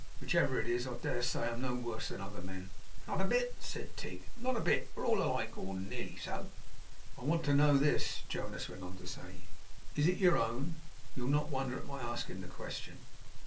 Whichever it is, I dare say I'm no worse than other men.' 'Not a bit,' said Tigg. 'Not a bit. We're all alike or nearly so.' 'I want to know this,' Jonas went on to say; 'is it your own? You'll not wonder at my asking the question.